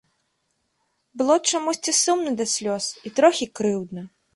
Было чамусьці сумна да слёз і трохі крыўдна.